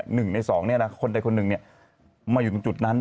หนึ่งในสองเนี่ยนะคนใดคนหนึ่งมาอยู่ตรงจุดนั้น